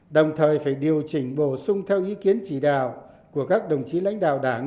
đồng thời phải điều chỉnh bổ sung theo ý kiến chỉ đạo của các đồng chí lãnh đạo đảng